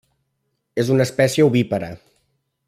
És una espècie ovípara.